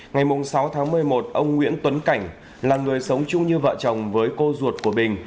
ngày sáu tháng một mươi một ông nguyễn tuấn cảnh là người sống chung như vợ chồng với cô ruột của bình